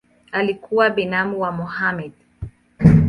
Alikuwa binamu wa Mohamed.